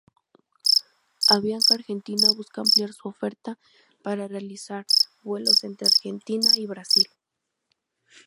Avianca Argentina busca ampliar su oferta para realizar vuelos entre Argentina y Brasil.